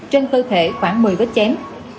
trên cơ thể khoảng một mươi vết chém